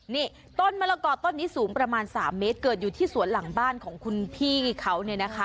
นี่ต้นมะละกอต้นนี้สูงประมาณ๓เมตรเกิดอยู่ที่สวนหลังบ้านของคุณพี่เขาเนี่ยนะคะ